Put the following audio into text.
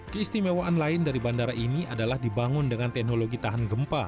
keistimewaan lain dari bandara ini adalah dibangun dengan teknologi tahan gempa